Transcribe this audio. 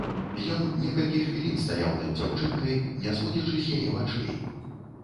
Ён некалькі хвілін стаяў над дзяўчынкай, не зводзячы з яе вачэй.